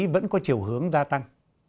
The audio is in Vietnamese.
vẫn có chiều hướng gia tăng